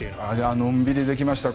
のんびりできました。